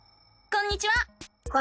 こんにちは。